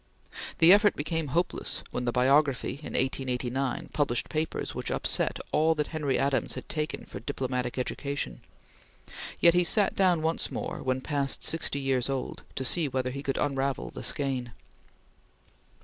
The effort became hopeless when the biography in 1889 published papers which upset all that Henry Adams had taken for diplomatic education; yet he sat down once more, when past sixty years old, to see whether he could unravel the skein.